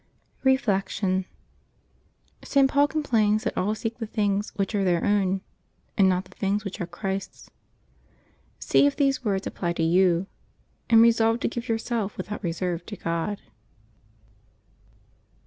Reflection. — St. Paul complains that all seek the things which are their own, and not the things which are Christ's. See if these words apply to you, and resolve to give your self without reserve to God.